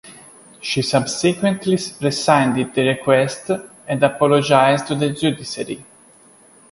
She subsequently rescinded the request and apologized to the judiciary.